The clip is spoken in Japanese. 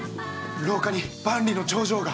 廊下に万里の長城が。